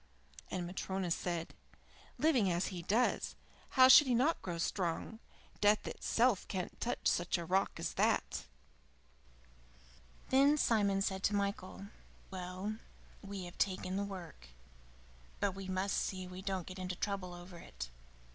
And Matryona said: "Living as he does, how should he not grow strong? Death itself can't touch such a rock as that." VII Then Simon said to Michael: "Well, we have taken the work, but we must see we don't get into trouble over it.